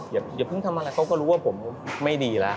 อย่าเพิ่งทำอะไรเขาก็รู้ว่าผมไม่ดีแล้ว